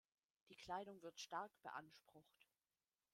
Die Kleidung wird stark beansprucht.